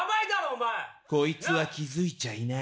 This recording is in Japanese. こいつは気付いちゃいない。